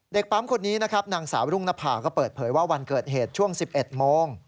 ปั๊มคนนี้นะครับนางสาวรุ่งนภาก็เปิดเผยว่าวันเกิดเหตุช่วง๑๑โมง